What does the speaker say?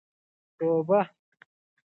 توده هوا کې ډېرې اوبه وڅښئ.